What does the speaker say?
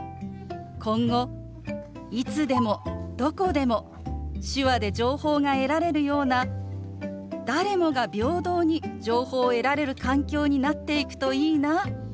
今後いつでもどこでも手話で情報が得られるような誰もが平等に情報を得られる環境になっていくといいなと思います。